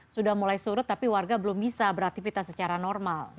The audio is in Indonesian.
sudah mulai surut tapi warga belum bisa beraktivitas secara normal